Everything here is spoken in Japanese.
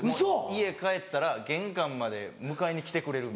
家帰ったら玄関まで迎えに来てくれる。